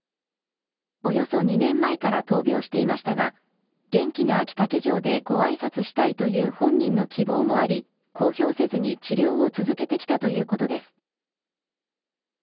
およそ２年前から闘病していましたが、元気なあき竹城でごあいさつしたいという本人の希望もあり、公表せずに治療を続けてきたということです。